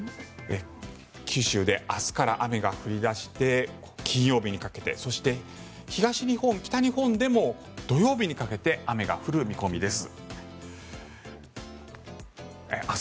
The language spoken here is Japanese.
九州で明日から雨が降り出して金曜日にかけてそして東日本、北日本でも土曜日にかけて雨が降る見込みです。